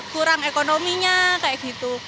kurang ekonominya kayak gitu